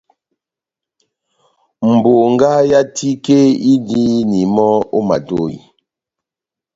Bongá yá tike indini mɔ́ ó matohi.